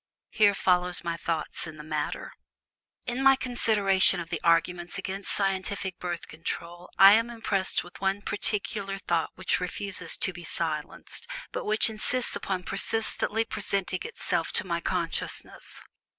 Here follows my thought in the matter: In my consideration of the arguments against scientific Birth Control I am impressed with one particular thought which refuses to be silenced, but which insists upon persistently presenting itself to my consciousness.